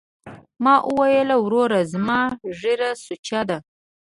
ما وويل وروره زما ږيره سوچه ده.